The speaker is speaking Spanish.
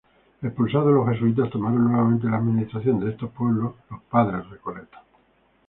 Expulsados los jesuítas tomaron nuevamente la administración de estos pueblos los Padres Recoletos.